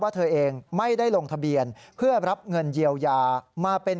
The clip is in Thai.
เธอเองไม่ได้ลงทะเบียนเพื่อรับเงินเยียวยามาเป็น